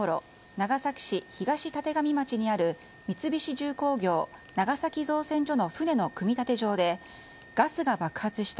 長崎市東立神町にある三菱重工業長崎造船所の船の組み立て場でガスが爆発した。